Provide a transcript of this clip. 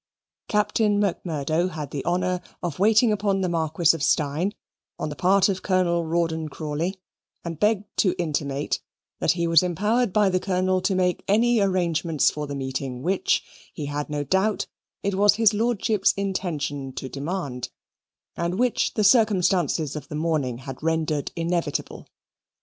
Captain Macmurdo had the honour of waiting upon the Marquis of Steyne, on the part of Colonel Rawdon Crawley, and begged to intimate that he was empowered by the Colonel to make any arrangements for the meeting which, he had no doubt, it was his Lordship's intention to demand, and which the circumstances of the morning had rendered inevitable.